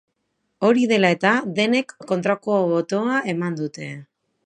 Hori dela eta, denek kontrako botoa eman dute.